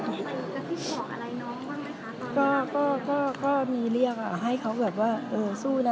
แล้วพี่บอกอะไรน้องบ้างไหมคะก็ก็ก็ก็มีเรียกอ่ะให้เขาแบบว่าเออสู้นะ